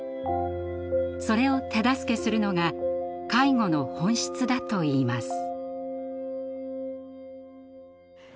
それを手助けするのが介護の本質だといいます。